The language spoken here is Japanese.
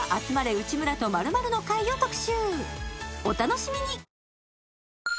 内村と○○の会」を特集女性）